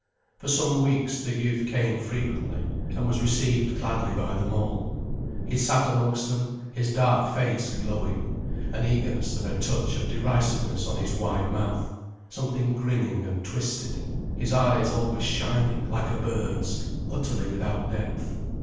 For some weeks the youth came frequently, and was received gladly by them all. He sat amongst them, his dark face glowing, an eagerness and a touch of derisiveness on his wide mouth, something grinning and twisted, his eyes always shining like a bird's, utterly without depth.